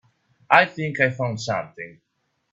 I think I found something.